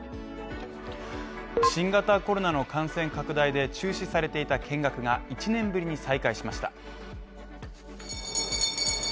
新型コロナの感染拡大で中止されていた見学が、１年ぶりに再開しました。